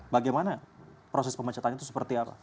bagaimana proses pemecatan itu seperti apa